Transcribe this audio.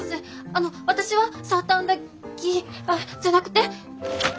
あの私はサーターアンダギーあっじゃなくて。